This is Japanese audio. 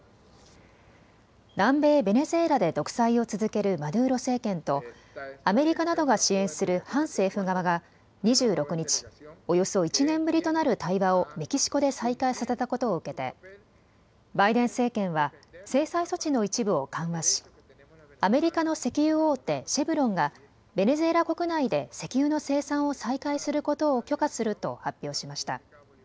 南米ベネズエラで独裁を続けるマドゥーロ政権とアメリカなどが支援する反政府側が２６日、およそ１年ぶりとなる対話をメキシコで再開させたことを受けてバイデン政権は制裁措置の一部を緩和しアメリカの石油大手、シェブロンがベネズエラ国内で石油の生産を再開することを許可すると発表しました。